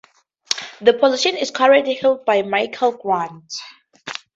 The position is currently held by Michael Grant.